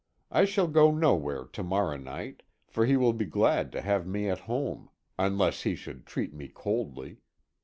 I shall go nowhere to morrow night, for he will be glad to have me at home unless he should treat me coldly.